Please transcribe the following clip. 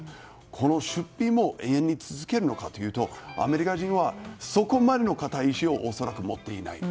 この出費も永遠に続けるのかというとアメリカ人はそこまでの堅い意思を恐らく持っていない。